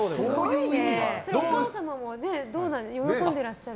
お母様は喜んでいらっしゃる？